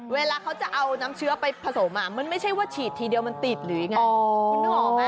เวลาเขาจะเอาน้ำเชื้อไปผสมมามันไม่ใช่ว่าฉีดทีเดียวตีดนะ